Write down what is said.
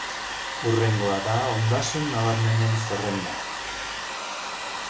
Hurrengoa da ondasun nabarmenen zerrenda.